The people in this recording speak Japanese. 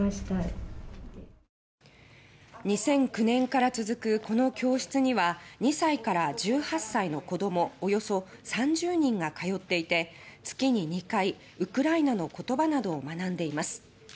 ２００９年から続くこの教室には２歳から１８歳の子どもおよそ３０人が通っていて月に２回ウクライナの言葉などを学んでいます。